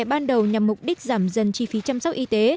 ban đầu nhằm mục đích giảm dần chi phí chăm sóc y tế